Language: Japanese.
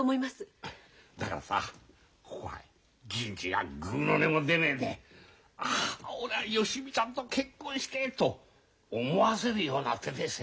だからさここは銀次がぐうの音も出ねえで「ああ俺は芳美ちゃんと結婚してえ！」と思わせるような手で迫らなくちゃ。